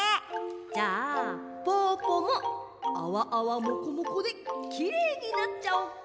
じゃあぽぅぽもあわあわもこもこできれいになっちゃおっか！